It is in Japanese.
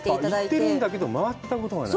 行ってるんだけど、回ったことがない？